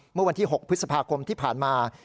เมื่อวันที่๖พฤษภาคมที่ผ่านมา